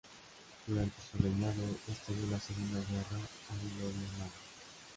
Durante su reinado, estalló la Segunda guerra anglo-birmana.